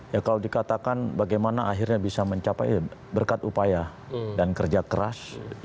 ya kalau dikatakan bagaimana akhirnya bisa mencapai berkat upaya dan kerja keras